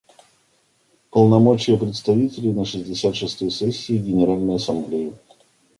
Полномочия представителей на шестьдесят шестой сессии Генеральной Ассамблеи.